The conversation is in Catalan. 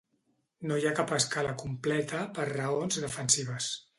No hi ha cap escala completa, per raons defensives.